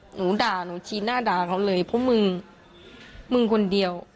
หนูด่าหนูชี้หน้าด่าเขาเลยเพราะมึงมึงคนเดียว